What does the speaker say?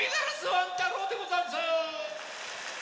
ワン太郎でござんす！